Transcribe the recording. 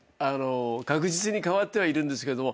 確実に変わってはいるんですけど。